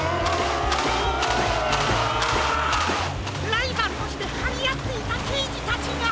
ライバルとしてはりあっていたけいじたちが！